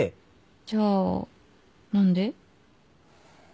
じゃあ何で？